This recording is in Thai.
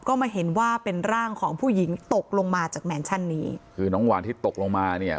ก็มาเห็นว่าเป็นร่างของผู้หญิงตกลงมาจากแมนชั่นนี้คือน้องหวานที่ตกลงมาเนี่ย